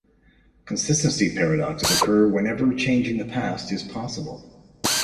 Consistency paradoxes occur whenever changing the past is possible.